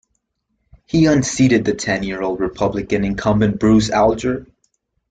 He unseated the ten-year Republican incumbent Bruce Alger.